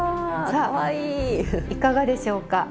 さあいかがでしょうか？